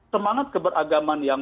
semangat keberagaman yang